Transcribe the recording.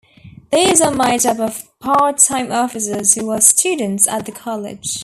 These are made up of part-time officers who are students at the college.